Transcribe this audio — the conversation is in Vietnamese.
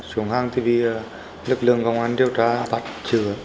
xuống hang thì vì lực lượng công an điều tra bắt chứa